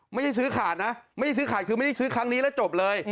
ไม่ได้ซื้อขาดนะไม่ได้ซื้อขาดคือไม่ได้ซื้อครั้งนี้แล้วจบเลย